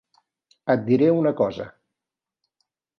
Et diré una cosa.